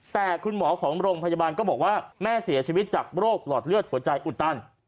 แต่คุณหมอของโรงพยาบาลก็บอกว่าแม่เสียชีวิตจากโรคหลอดเลือดหัวใจอุดตัน